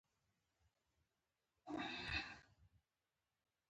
هره چوپتیا کمزوري نه ده